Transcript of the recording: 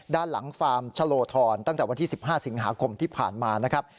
ด้านหลังฟาร์มชะโลธรตั้งแต่วันที่๑๕สิงหาคมที่ผ่านมานะครับ